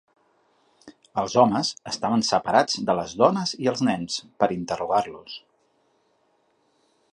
Els homes estaven separats de les dones i els nens per interrogar-los.